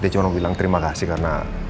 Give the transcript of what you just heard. dia cuma bilang terima kasih karena